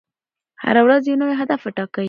هره ورځ یو نوی هدف وټاکئ.